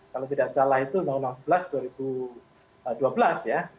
kalau tidak salah itu undang undang sebelas dua ribu dua belas ya